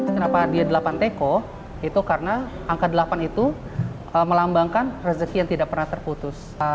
kenapa dia delapan teko itu karena angka delapan itu melambangkan rezeki yang tidak pernah terputus